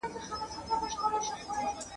ګیدړ سمدستي پر ښکر د هغه سپور سو !.